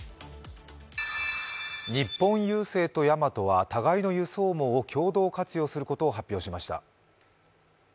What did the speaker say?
日本郵政とヤマトは互いの輸送網を共同活用することを発表しました。